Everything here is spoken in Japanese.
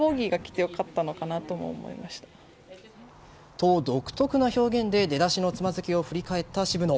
と、独特な表現で出だしのつまずきを振り返った渋野。